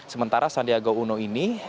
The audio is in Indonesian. sementara sandiaga uno ini